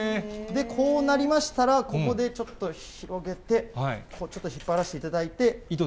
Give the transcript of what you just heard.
こうなりましたら、ここでちょっと広げて、ちょっと引っ張らせていただいて。